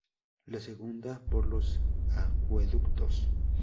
La segunda por los acueductos.